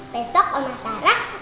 besok omah sarah